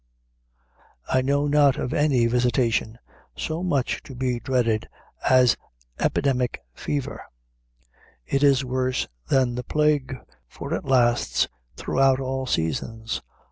"I know not of any visitation so much to be dreaded as epidemic fever; it is worse than the plague, for it lasts throughout all seasons.